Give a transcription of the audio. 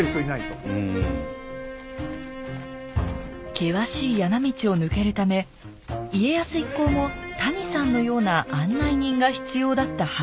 険しい山道を抜けるため家康一行も谷さんのような案内人が必要だったはずです